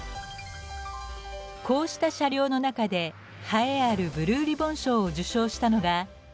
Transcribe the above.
こうした車両の中で栄えあるブルーリボン賞を受賞したのが。